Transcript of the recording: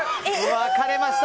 分かれました。